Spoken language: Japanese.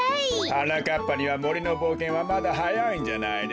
はなかっぱにはもりのぼうけんはまだはやいんじゃないですか？